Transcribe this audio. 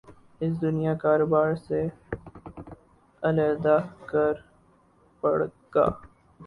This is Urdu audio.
اس دنیا کاروبار سے علیحدہ کر پڑ گا